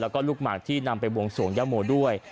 แล้วก็ลูกหมากที่นำไปบวงสวงย่าโมด้วย